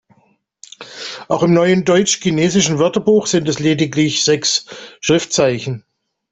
Auch im "Neuen deutsch-chinesischen Wörterbuch" sind es lediglich sechs Schriftzeichen.